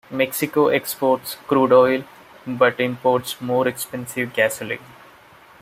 Mexico exports crude oil, but imports more expensive gasoline.